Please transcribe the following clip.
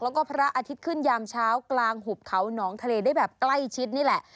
แล้วก็พระอาทิตย์ขึ้นยามเช้ากลางหุบเขาหนองทะเลได้แบบใกล้ชิดนี่แหละ